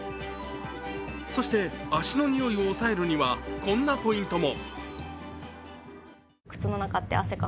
そして足のにおいを抑えるにはこんなポイントも。